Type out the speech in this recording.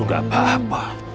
guru gak apa apa